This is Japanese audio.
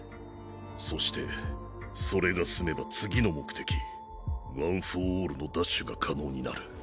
そしてそれが済めば次の目的ワン・フォー・オールの奪取が可能になる。